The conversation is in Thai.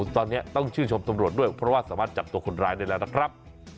ตอนนี้ต้องชื่นชมตำรวจด้วยเพราะว่าสามารถจับตัวคนร้ายได้แล้วนะครับ